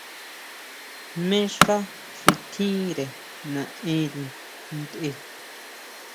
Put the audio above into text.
Jmé xá xi tjínre naʼenri ntʼe.